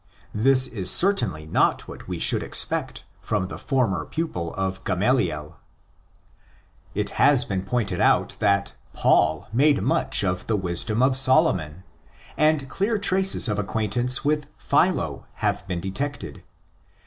This is certainly not what we should expect from the former pupil of Gamaliel. It has been pointed out that '' Paul"? made much use of the Wisdom of Solomon; and clear traces of acquaintance with Philo have been detected.